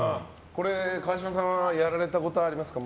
川嶋さんはやられたことありますか？